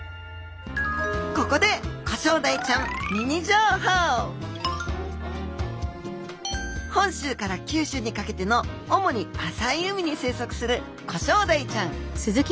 ここで本州から九州にかけての主に浅い海に生息するコショウダイちゃん。